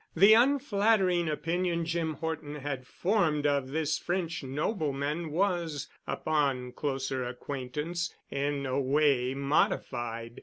The unflattering opinion Jim Horton had formed of this French nobleman was, upon closer acquaintance, in no way modified.